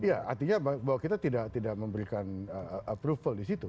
ya artinya bahwa kita tidak memberikan approval disitu